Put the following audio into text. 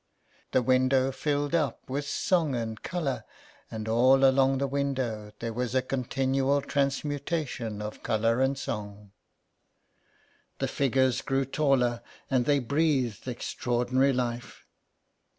The window filled up with song and colour, and all along the window there was a continual transmutation of colour and song. The figures grew taller, and they breathed extraordinary life.